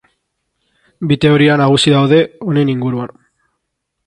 Bi teoria nagusi daude honen inguruan.